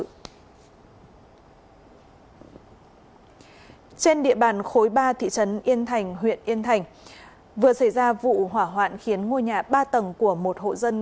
trên địa bàn khối ba thị trấn yên thành huyện yên thành vừa xảy ra vụ hỏa hoạn khiến ngôi nhà ba tầng của một hộ dân